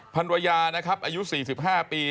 ภรรยานะครับอายุ๔๕ปี